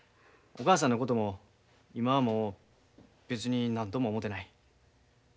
お母さんのことも今はもう別に何とも思てない。